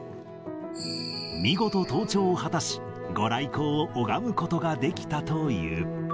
見事、登頂を果たし、御来光を拝むことができたという。